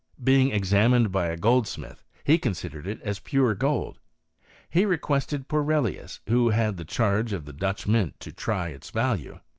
Being examined by a goldsmith, he considered it as pure gold. He requested Porelius, who had the charge of the Dutch mint, to try its value.